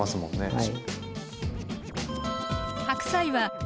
はい。